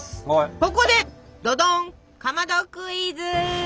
ここでどどんかまどクイズ！